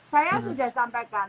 saya sudah sampaikan